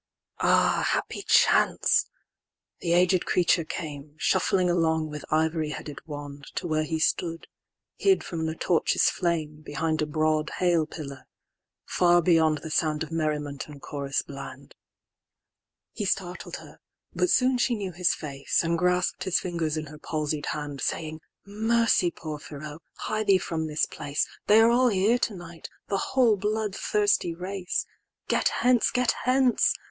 XI.Ah, happy chance! the aged creature came, Shuffling along with ivory headed wand, To where he stood, hid from the torch's flame, Behind a broad hail pillar, far beyondThe sound of merriment and chorus bland:He startled her; but soon she knew his face, And grasp'd his fingers in her palsied hand, Saying, "Mercy, Porphyro! hie thee from this place;"They are all here to night, the whole blood thirsty race! XII."Get hence! get hence!